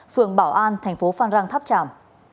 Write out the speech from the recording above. phường bảo an thành phố phan rang tháp tràm